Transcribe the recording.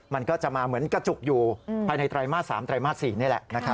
มันก็จะมาเหมือนกระจุกอยู่ภายในไตรมาส๓ไตรมาส๔นี่แหละ